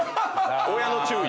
親の注意や。